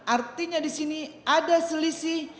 artinya disini ada selisih